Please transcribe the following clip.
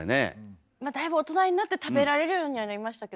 まあだいぶ大人になって食べられるようにはなりましたけどね。